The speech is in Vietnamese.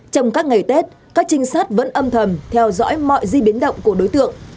trong các ngày tết các trinh sát vẫn âm thầm theo dõi mọi di biến động của đối tượng